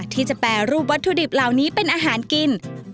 ที่จะแปรรูปวัตถุดิบเหล่านี้เป็นอาหารกิน